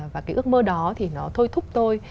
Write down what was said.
và cái ước mơ đó thì nó thôi thúc tôi